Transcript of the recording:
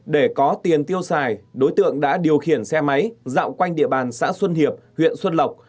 để có tiền tiêu xài đối tượng đã điều khiển xe máy dạo quanh địa bàn xã xuân hiệp huyện xuân lộc